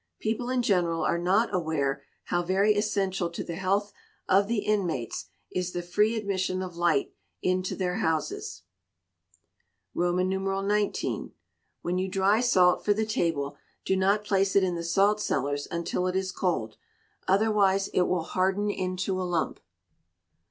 People in general are not aware how very essential to the health of the inmates is the free admission of light into their houses. xix. When you dry salt for the table, do not place it in the salt cellars until it is cold, otherwise it will harden into a lump.